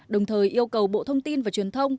đồng thời yêu cầu bộ thông tin và truyền thông